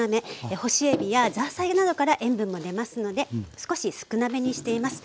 干しえびやザーサイなどから塩分も出ますので少し少なめにしています。